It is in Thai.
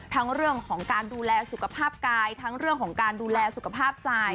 เรื่องของการดูแลสุขภาพกายทั้งเรื่องของการดูแลสุขภาพใจ